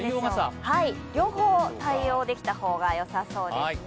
両方対応できた方がよさそうですね。